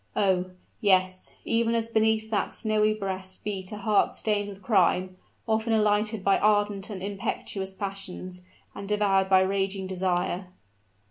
Oh! yes, even as beneath that snowy breast beat a heart stained with crime, often agitated by ardent and impetuous passions, and devoured by raging desire.